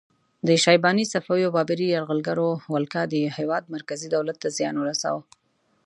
د شیباني، صفوي او بابري یرغلګرو ولکه د هیواد مرکزي دولت ته زیان ورساوه.